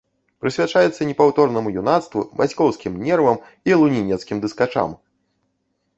Прысвячаецца непаўторнаму юнацтву, бацькоўскім нервам і лунінецкім дыскачам!